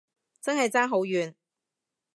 真係爭好遠